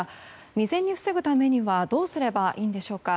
未然に防ぐためにはどうすればいいんでしょうか。